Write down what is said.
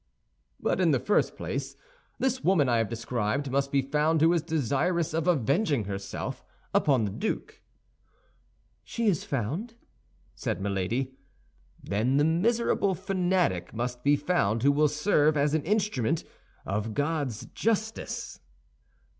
"But in the first place, this woman I have described must be found who is desirous of avenging herself upon the duke." "She is found," said Milady. "Then the miserable fanatic must be found who will serve as an instrument of God's justice."